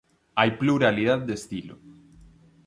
Hay pluralidad de estilo.